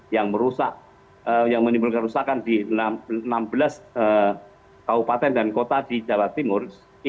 yang menimbulkan kerusakan di enam belas kabupaten dan kota di jawa timur